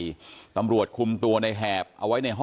นี่คือภาพล่าสุดของวันนี้ที่สพปักธงชัย